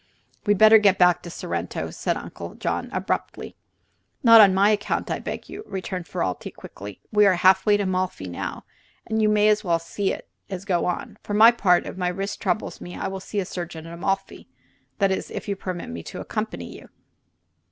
"We'd better get back to Sorrento," said Uncle John, abruptly. "Not on my account, I beg of you," returned Ferralti, quickly. "We are half way to Amalfi now, and you may as well go on. For my part, if the wrist troubles me, I will see a surgeon at Amalfi that is, if you permit me to accompany you."